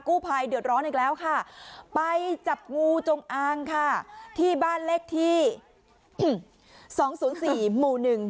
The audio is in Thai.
ภัยเดือดร้อนอีกแล้วค่ะไปจับงูจงอางค่ะที่บ้านเลขที่สองศูนย์สี่หมู่หนึ่ง